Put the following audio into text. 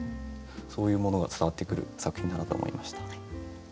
そういうものが伝わってくる作品だなと思いました。